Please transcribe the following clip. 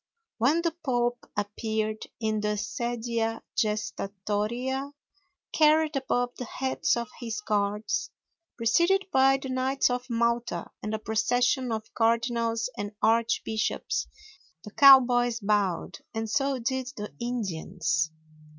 When the Pope appeared in the sedia gestatoria, carried above the heads of his guards, preceded by the Knights of Malta and a procession of cardinals and archbishops, the cowboys bowed, and so did the Indians.